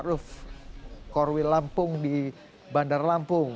maruf korwin lampung di bandar lampung